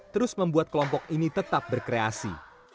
terus membuat kelompok ini tetap berkreasi